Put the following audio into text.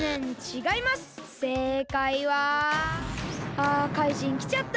あかいじんきちゃった。